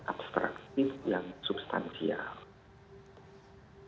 abstraktif yang substansial